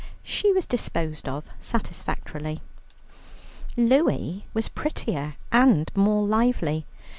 She was disposed of satisfactorily. Louie was prettier and more lively.